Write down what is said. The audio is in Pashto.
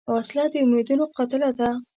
وسله د امیدونو قاتله ده